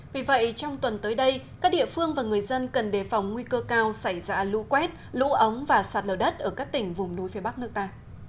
vì vậy trong tuần tới đây các địa phương và người dân cần đề phòng nguy cơ cao xảy ra lũ quét lũ ống và sạt lở đất ở các tỉnh vùng núi phía bắc nước ta